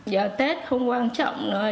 giờ tết không quan trọng nữa